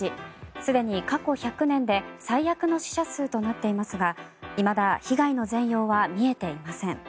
すでに過去１００年で最悪の死者数となっていますがいまだ被害の全容は見えていません。